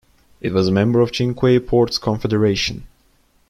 It was a member of the Cinque Ports Confederation.